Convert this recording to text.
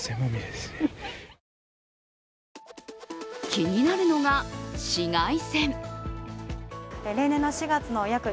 気になるのが紫外線。